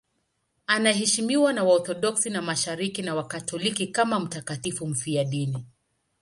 Anaheshimiwa na Waorthodoksi wa Mashariki na Wakatoliki kama mtakatifu mfiadini.